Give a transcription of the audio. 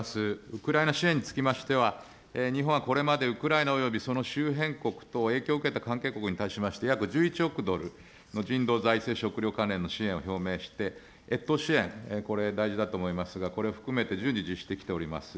ウクライナ支援につきましては、日本はこれまでウクライナおよびその周辺国等、影響を受けた関係国に対しまして、約１１億ドルの人道財政食料支援を表明して、越冬支援、これ、大事だと思いますが、これを含めて順次、実施してきております。